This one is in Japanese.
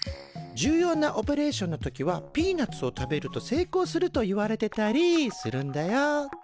重要なオペレーションの時はピーナツを食べると成功するといわれてたりするんだよ。